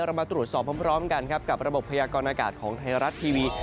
เรามาตรวจสอบพร้อมกันครับกับระบบพยากรณากาศของไทยรัฐทีวี